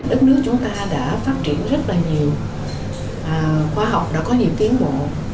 đất nước chúng ta đã phát triển rất là nhiều khoa học đã có nhiều tiến bộ